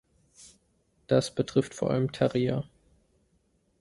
Das betrifft vor allem Terrier.